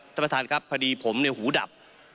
ท่านประธานครับพอดีผมเนี่ยหูดับ